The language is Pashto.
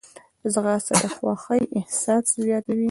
ځغاسته د خوښۍ احساس زیاتوي